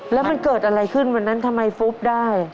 แล้วมันเกิดอะไรขึ้นวันนั้นทำไมฟุ๊บได้